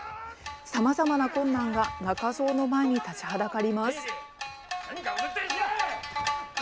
さまざまな困難が仲蔵の前に立ちはだかります。